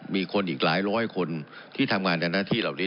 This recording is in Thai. มีคนอีกหลายร้อยคนที่ทำงานในหน้าที่เหล่านี้